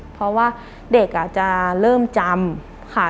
เพราะว่าเด็กจะเริ่มจำค่ะ